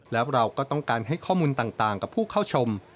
แล้วเราก็ต้องการให้ข้อมูลต่างกับผู้เข้าชม